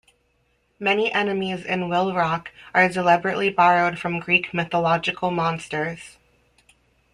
Many enemies in Will Rock are deliberately borrowed from Greek mythological monsters.